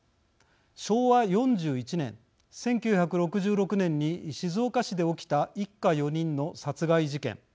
昭和４１年、１９６６年に静岡市で起きた一家４人の殺害事件。